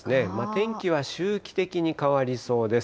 天気は周期的に変わりそうです。